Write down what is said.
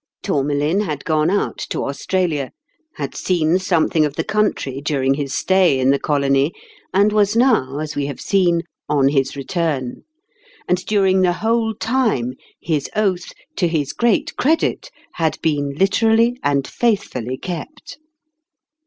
Tourmalin had gone out to Australia, had seen something of the country during his stay flrotogtte. 15 in the colony, and was now, as we have seen, on his return ; and during the whole time his oath, to his great credit, had been literally and faithfully kept.